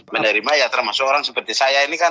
menerima ya termasuk orang seperti saya ini kan